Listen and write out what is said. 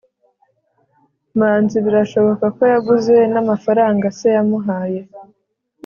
manzi birashoboka ko yaguze namafaranga se yamuhaye